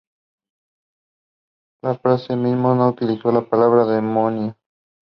Laplace mismo no utilizó la palabra "demonio".